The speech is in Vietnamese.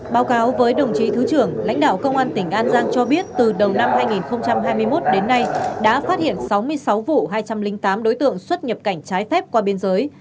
báo cáo với đồng chí thứ trưởng lãnh đạo công an tỉnh an giang cho biết từ đầu năm hai nghìn hai mươi một đến nay đã phát hiện sáu mươi sáu vụ hai trăm linh tám đối tượng xuất nhập cảnh trái phép qua biên giới